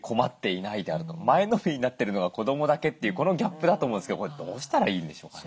前のめりになってるのは子どもだけというこのギャップだと思うんですけどこれどうしたらいいんでしょうかね？